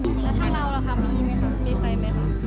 แล้วถ้าเราระคะมีไหมครับ